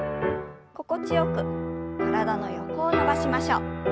心地よく体の横を伸ばしましょう。